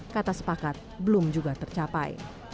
kata sepakat belum juga tercapai